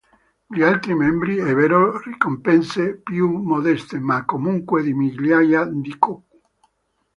Gli altri membri ebbero ricompense più modeste ma comunque di migliaia di koku.